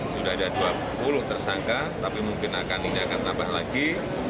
sudah ada dua puluh tersangka tapi mungkin akan ini akan tambah lagi